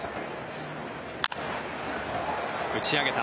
打ち上げた。